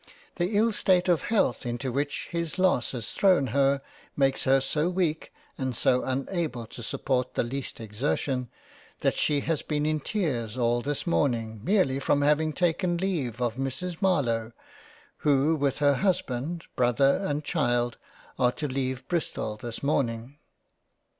The ill state of Health into which his loss has thrown her makes her so weak, and so unable to support the least exertion, that she has been in tears all this Morning merely from having taken leave of Mrs. Marlowe who with her Husband, Brother and Child are to leave Bristol this morning.